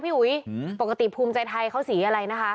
อุ๋ยปกติภูมิใจไทยเขาสีอะไรนะคะ